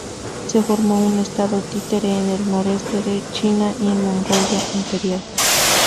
Se formó un estado títere en el noreste de China y en Mongolia Interior.